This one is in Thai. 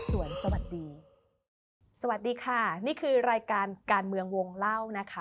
สวัสดีสวัสดีค่ะนี่คือรายการการเมืองวงเล่านะคะ